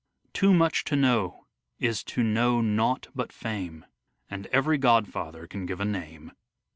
Too much to know is to know nought but fame, And every godfather can give a name.